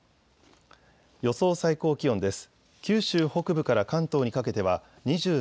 予想最高気温です。